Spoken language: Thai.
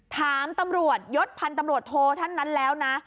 ถามตำรวจยศพันธ์ตำรวจโทท่านนั้นแล้วนะ